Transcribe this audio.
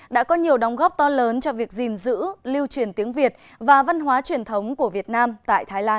đã có nhiều đóng góp to lớn cho việc gìn giữ lưu truyền tiếng việt và văn hóa truyền thống của việt nam tại thái lan